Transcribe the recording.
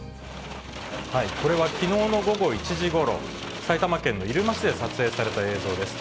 これはきのうの午後１時ごろ、埼玉県の入間市で撮影された映像です。